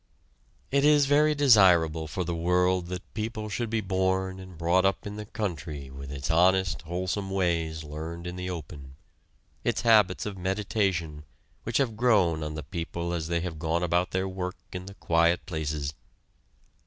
It is very desirable for the world that people should be born and brought up in the country with its honest, wholesome ways learned in the open; its habits of meditation, which have grown on the people as they have gone about their work in the quiet places.